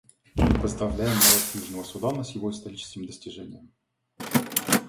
Мы поздравляем народ Южного Судана с его историческим достижением.